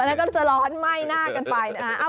แล้วก็จะร้อนไหม้หน้ากันไปนะฮะ